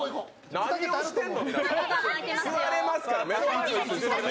何をしてんの！